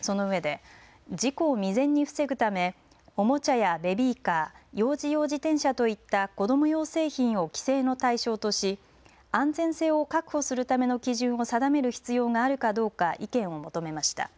そのうえで事故を未然に防ぐためおもちゃやベビーカー、幼児用自転車といった子ども用製品を規制の対象とし安全性を確保するための基準を定める必要があるかどうか意見を求めました。